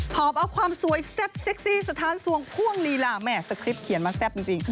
อบเอาความสวยแซ่บเซ็กซี่สถานส่วงพ่วงลีลาแม่สคริปเขียนมาแซ่บจริง